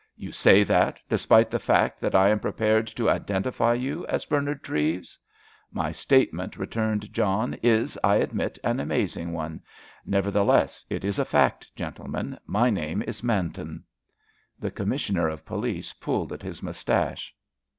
"You say that, despite the fact that I am prepared to identify you as Bernard Treves." "My statement," returned John, "is, I admit, an amazing one. Nevertheless, it is a fact, gentlemen. My name is Manton." The Commissioner of Police pulled at his moustache.